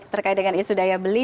terkait dengan isu daya beli